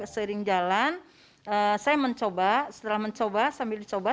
sering jalan saya mencoba setelah mencoba sambil dicoba